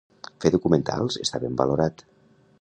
Fer documentals està ben valorat.